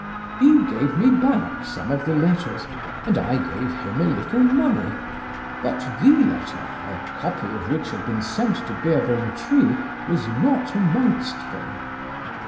He gave me back some of the letters and I gave him a little money. But the letter, a copy of which had been sent to Beerbohm Tree, was not amongst them.